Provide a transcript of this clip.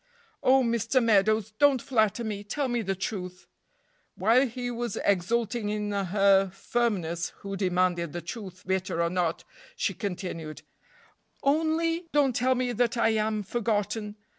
"Oh, Mr. Meadows! don't flatter me; tell me the truth." While he was exulting in her firmness, who demanded the truth, bitter or not, she continued: "Only don't tell me that I am forgotten!"